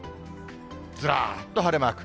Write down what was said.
ずらーと晴れマーク。